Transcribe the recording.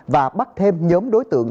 và bắt thêm nhóm đối tượng